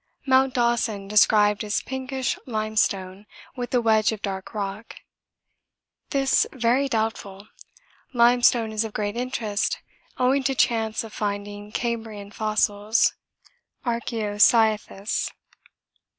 Mt. Dawson described as pinkish limestone, with a wedge of dark rock; this very doubtful! Limestone is of great interest owing to chance of finding Cambrian fossils (Archeocyathus).